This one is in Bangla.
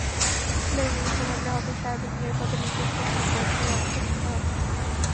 লেনদেনের সময় গ্রাহকের সার্বিক নিরাপত্তা নিশ্চিত করতেও প্রয়োজনীয় ব্যবস্থা নিতে হবে।